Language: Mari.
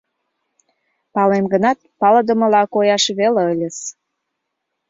Палем гынат, палыдымыла кояш веле ыльыс...»